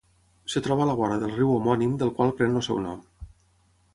Es troba a la vora del riu homònim del qual pren el seu nom.